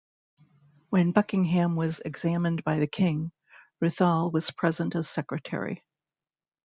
When Buckingham was examined by the king, Ruthall was present as secretary.